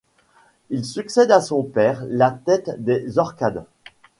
Il succède à son père la tête des Orcades.